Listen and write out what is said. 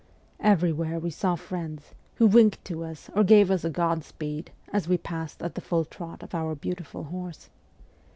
Everywhere we saw friends, who winked to us or gave us a Godspeed as we passed at the full trot of our beautiful horse.